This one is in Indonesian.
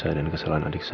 awaslah ya rik